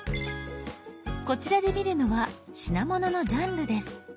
こちらで見るのは品物のジャンルです。